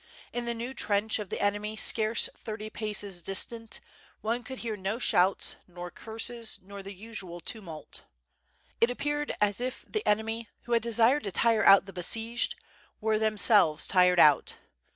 In the new trench of the enemy scarce thirty paces distant, one could hear no shouts nor curses, nor the usual tumult. It appeared as if the enemy, who had deeired to tire out the besieged, were them selves tired out.